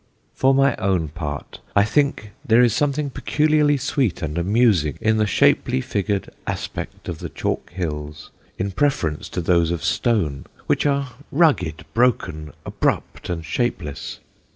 For my own part, I think there is somewhat peculiarly sweet and amusing in the shapely figured aspect of the chalk hills in preference to those of stone, which are rugged, broken, abrupt, and shapeless.